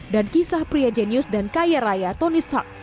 dan kisah pria jenius dan kaya raya tony stark